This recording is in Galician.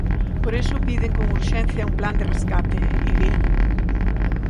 Por iso piden con urxencia un plan de rescate, Iria.